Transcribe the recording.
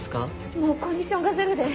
もうコンディションがゼロで。